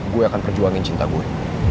gue akan perjuangin cinta gue